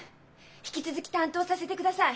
引き続き担当させてください。